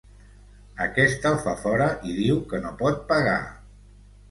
Aquest el fa fora i diu que no pot pagar.